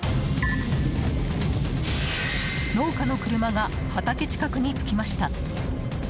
農家の車が畑近くに着きました。